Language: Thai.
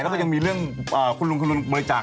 แล้วก็ยังมีเรื่องคุณลุงเบลอจาก